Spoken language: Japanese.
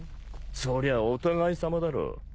そりゃお互いさまだろ。